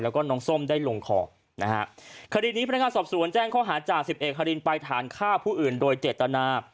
แล้วก็น้องส้มได้ลงคอคดีนี้พนักงานสอบสู่แจ้งข้อหาจาก๑๑คดีนไปทานฆ่าผู้อื่นโดยเจตนา